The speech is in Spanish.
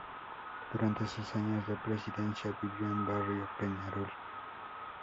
Durante sus años de presidencia vivió en barrio Peñarol.